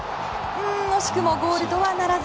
惜しくもゴールとはならず。